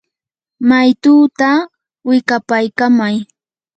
maytutaa wikapaykamay.